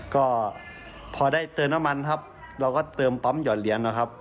ก็พอได้เติมน้ำมันครับเราก็เติมปั๊มหยอดเหรียญนะครับ